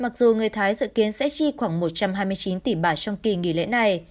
mặc dù người thái dự kiến sẽ chi khoảng một trăm hai mươi chín tỷ bạt trong kỳ nghỉ lễ này